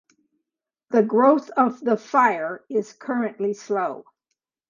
The growth of the fire is currently slow.